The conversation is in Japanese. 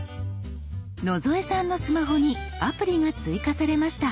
野添さんのスマホにアプリが追加されました。